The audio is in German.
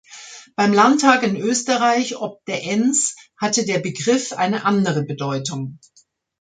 Beim Landtag in Österreich ob der Enns hatte der Begriff eine andere Bedeutung.